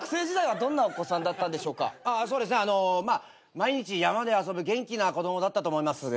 毎日山で遊ぶ元気な子供だったと思います。